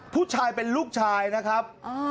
ผู้ชายเป็นลูกชายนะครับ